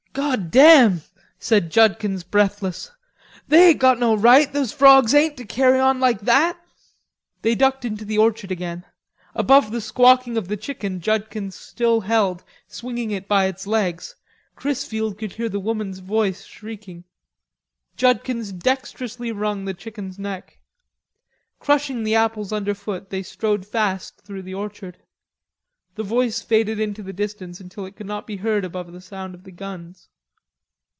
"God damn," said Judkins breathless, "they ain't got no right, those frogs ain't, to carry on like that." They ducked into the orchard again. Above the squawking of the chicken Judkins still held, swinging it by its legs, Chrisfield could hear the woman's voice shrieking. Judkins dexterously wrung the chicken's neck. Crushing the apples underfoot they strode fast through the orchard. The voice faded into the distance until it could not be heard above the sound of the guns.